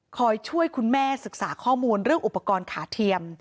ช่วยคุณแม่ศึกษาข้อมูลเรื่องอุปกรณ์ขาเทียม